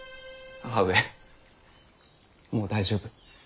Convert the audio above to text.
母上もう大丈夫。